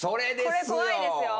これ怖いですよ。